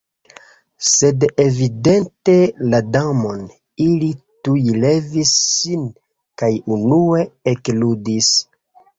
Sed ekvidinte la Damon, ili tuj levis sin kaj enue ekludis.